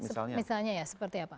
misalnya ya seperti apa